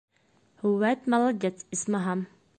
— Үәт молодец, исмаһам...